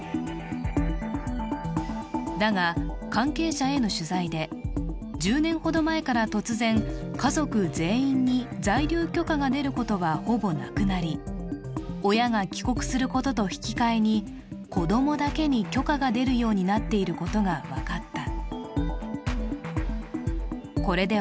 だが、関係者への取材で、１０年ほど前から突然、家族全員に在留許可が出ることはほぼなくなり、親が帰国することと引き換えに子供だけに許可が出るようになっていることが分かった。